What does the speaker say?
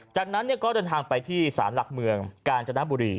จากนั้นก็เดินทางไปที่ศาลหลักเมืองกาญจนบุรี